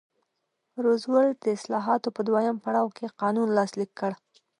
روزولټ د اصلاحاتو په دویم پړاو کې قانون لاسلیک کړ.